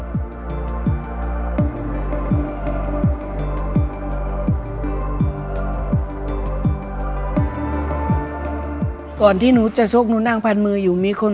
ก็พูดว่าวันนี้มีคนจะมาวางยานักมัวให้ระวังดีนะครับ